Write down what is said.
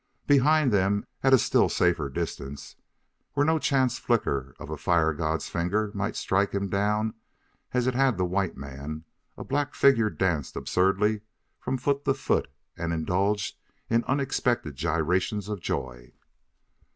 Behind them, at a still safer distance, where no chance flicker of a fire god's finger might strike him down as it had the white man, a black figure danced absurdly from foot to foot and indulged in unexpected gyrations of joy.